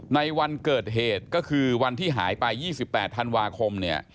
ในวันเกิดเหตุก็คือวันที่หายไป๒๘ธันวาคมเนี่ย